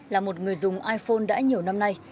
là một người dùng iphone đã nhiều năm nay